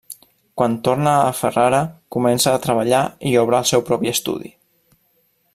Quan torna a Ferrara comença a treballar i obre el seu propi estudi.